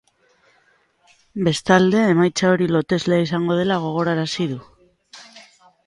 Bestalde, emaitza hori loteslea izango dela gogorarazi du.